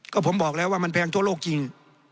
ก็ผมบอกแล้วว่ามันแพงทั่วโลกจริง